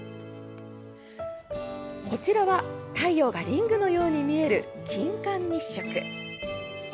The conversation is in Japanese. こちらは、太陽がリングのように見える金環日食。